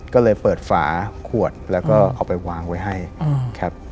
ก็เลยเปิดฝาขวดแล้วก็เอาไปวางไว้ให้ครับ